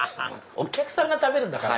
お客さんが食べるんだから。